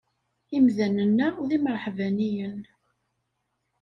Imdanen-a d imreḥbaniyen.